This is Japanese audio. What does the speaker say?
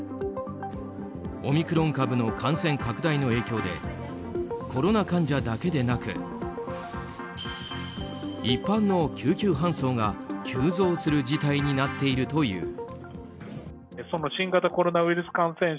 オミクロン株の感染拡大の影響でコロナ患者だけでなく一般の救急搬送が急増する事態になっているという。